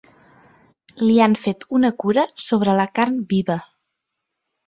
Li han fet una cura sobre la carn viva.